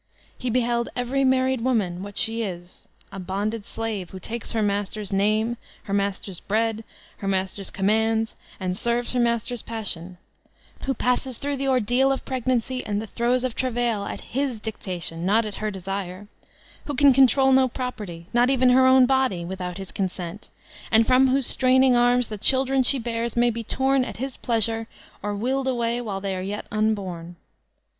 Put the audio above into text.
He behdd every mar* ried woman what she b, a bonded shve, who takes her master's name, her master's bread, her master's com mands, and serves her master's passion; who passes through the ordeal of pregnancy and the duroes of travail at his dictation, — not at her desire ; who can control no property, not even her own body, without his consent, and from whose straining arms the children she bears may be torn at his pleasure, or willed away while they are yet unborn.